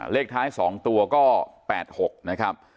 เลขท้าย๒ตัวก็๘๖นะครับ